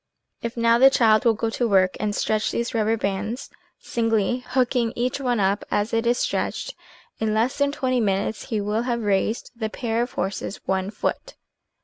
If now the child will go to work and stretch these rubber bands, singly, hooking each one up, as it is stretched, in less than twenty minutes he will have raised the pair of horses one foot